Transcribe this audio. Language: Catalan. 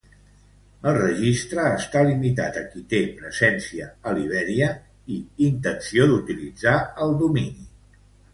El registre està limitat a qui té presència a Libèria, i intenció d'utilitzar el domini.